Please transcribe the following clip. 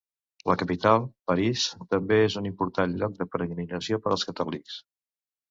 La capital, París, també és un important lloc de peregrinació per als catòlics.